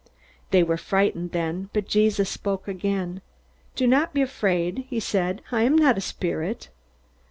They were frightened then, but Jesus spoke again. "Do not be afraid," he said. "I am not a spirit."